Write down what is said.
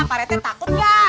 pak rt takut nggak